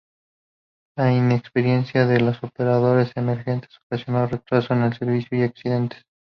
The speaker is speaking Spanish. La inexperiencia de la operadores emergentes ocasionó retrasos en el servicio y accidentes.